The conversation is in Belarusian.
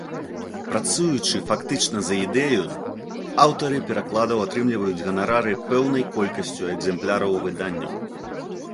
Працуючы фактычна за ідэю, аўтары перакладаў атрымліваюць ганарары пэўнай колькасцю экзэмпляраў выданняў.